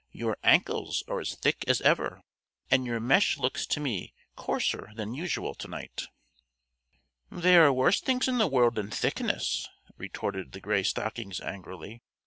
"Your ankles are as thick as ever, and your mesh looks to me coarser than usual to night." "There are worse things in the world than thickness," retorted the Gray Stockings angrily.